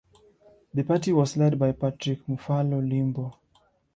The party was led by Patrick Mufalo Limbo.